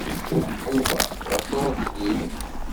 Yuba d aṭuṛhelliw.